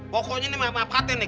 pokoknya ini mah maafkan deh nih